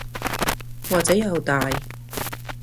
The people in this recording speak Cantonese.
或者又大